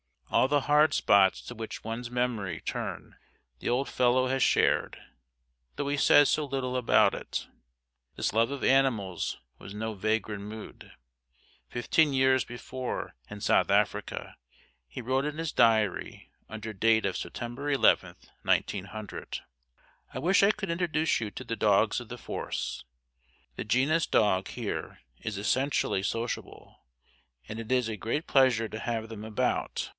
All the hard spots to which one's memory turns the old fellow has shared, though he says so little about it. This love of animals was no vagrant mood. Fifteen years before in South Africa he wrote in his diary under date of September 11th, 1900: I wish I could introduce you to the dogs of the force. The genus dog here is essentially sociable, and it is a great pleasure to have them about.